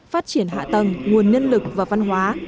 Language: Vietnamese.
phát triển hạ tầng nguồn nhân lực và văn hóa